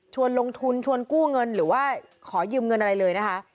ลงทุนชวนกู้เงินหรือว่าขอยืมเงินอะไรเลยนะคะ